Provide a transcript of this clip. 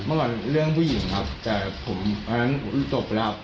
เมื่อก่อนเรื่องผู้หญิงครับแต่ผมจบแล้วครับ